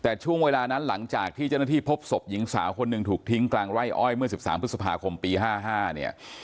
แต่ช่วงเวลานั้นหลังจากที่เจ้าหน้าที่พบศพหญิงสาวคนหนึ่งถูกทิ้งกลางไร่อ้อยเมื่อ๑๓พฤษภาคมปี๕๕เนี่ย